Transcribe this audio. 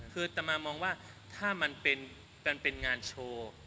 คือตามมามองว่าถ้ามันเป็นงานโชว์